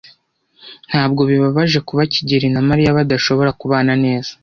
Ntabwo bibabaje kuba kigeli na Mariya badashobora kubana neza?